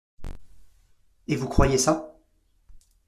Et vous croyez ça ?